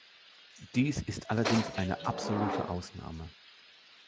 Dies ist allerdings eine absolute Ausnahme.